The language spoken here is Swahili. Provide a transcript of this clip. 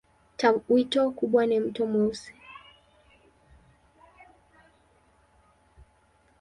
Tawimto kubwa ni Mto Mweusi.